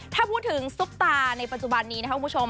ถ้าพูดถึงซุปตาในปัจจุบันนี้นะครับคุณผู้ชม